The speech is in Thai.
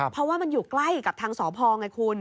เพราะว่ามันอยู่ใกล้กับทางสพไงคุณ